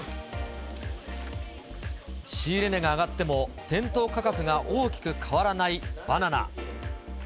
仕入れ値が上がっても店頭価格が大きく変わらないバナナ。